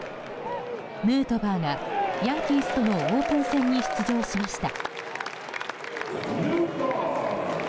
ヌートバーがヤンキースとのオープン戦に出場しました。